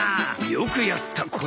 よくやった小僧。